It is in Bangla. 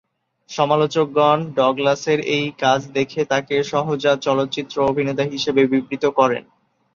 সমালোচকগণ ডগলাসের এই কাজ দেখে তাকে "সহজাত চলচ্চিত্র অভিনেতা" হিসেবে বিবৃত করেন।